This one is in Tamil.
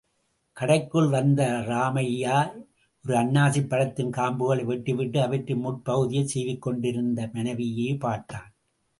கடைக்குள் வந்த ராமய்யா, ஒரு அன்னாசிப்பழத்தின் காம்புகளை வெட்டிவிட்டு, அவற்றின் முட் பகுதியைச் சீவிக் கொண்டிருந்த மனைவியையே பார்த்தான்.